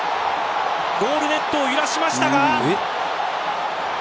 ゴールネットを揺らしましたが。